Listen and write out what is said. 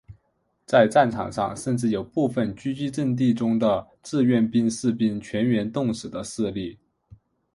在战场上甚至有部分阻击阵地中的志愿兵士兵全员冻死的事例。